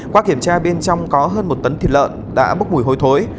qua kiểm tra bên trong có hơn một tấn thịt lợn đã bốc mùi hôi thối